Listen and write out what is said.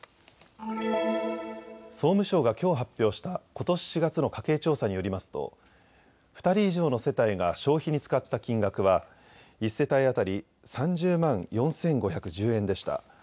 総務省がきょう発表したことし４月の家計調査によりますと２人以上の世帯が消費に使った金額は１世帯当たり３０万４５１０円でした。